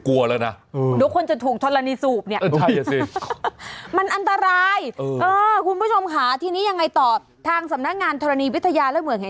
วิ่งไกลมากนะ